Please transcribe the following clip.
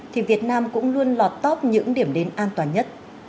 thì việt nam cũng luôn lọt top những điểm đến an toàn nhất